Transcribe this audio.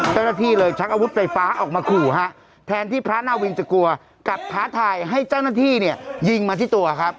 เจ้าหน้าที่เลยชักอาวุธไฟฟ้าออกมาขู่ฮะแทนที่พระนาวินจะกลัวกัดท้าทายให้เจ้าหน้าที่เนี่ยยิงมาที่ตัวครับ